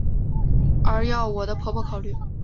而要我的婆婆考虑！